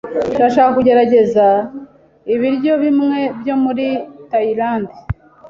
Ndashaka kugerageza ibiryo bimwe byo muri Tayilande.